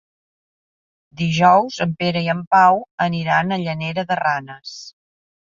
Dijous en Pere i en Pau aniran a Llanera de Ranes.